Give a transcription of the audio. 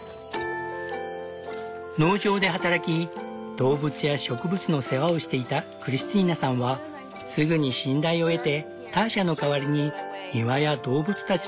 農場で働き動物や植物の世話をしていたクリスティーナさんはすぐに信頼を得てターシャの代わりに庭や動物たちの世話をすることになった。